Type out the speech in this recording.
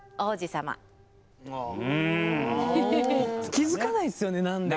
気づかないんですよね何でか。